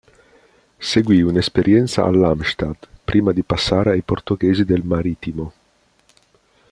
Seguì un'esperienza all'Halmstad, prima di passare ai portoghesi del Marítimo.